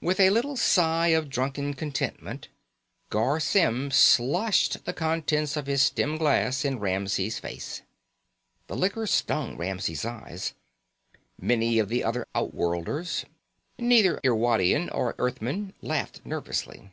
With a little sigh of drunken contentment, Garr Symm sloshed the contents of his stem glass in Ramsey's face. The liquor stung Ramsey's eyes. Many of the other outworlders, neither Irwadian nor Earthmen, laughed nervously.